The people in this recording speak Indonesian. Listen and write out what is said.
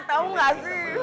tau gak sih